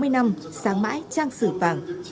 sáu mươi năm sáng mãi trang sử vàng